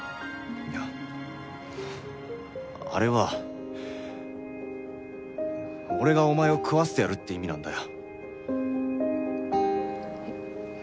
いやあれは俺がお前を食わせてやるって意味なんだよ。